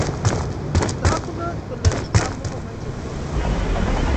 Tagunot kole kamukomache kwo Kibet